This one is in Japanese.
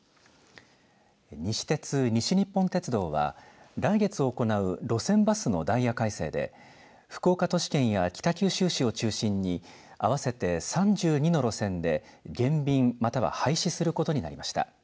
西鉄、西日本鉄道は来月行う路線バスのダイヤ改正で福岡都市圏や北九州市を中心に合わせて３２の路線で減便または廃止することになりました。